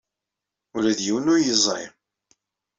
Ula d yiwen ur iyi-yeẓri.